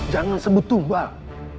jangan sebut tumbang